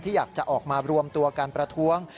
อยากจะออกมารวมตัวการประท้วง